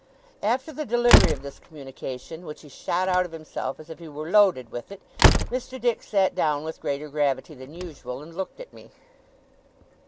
After the delivery of this communication, which he shot out of himself as if he were loaded with it, Mr. Dick sat down with greater gravity than usual, and looked at me.